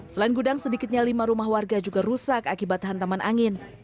selain gudang sedikitnya lima rumah warga juga rusak akibat hantaman angin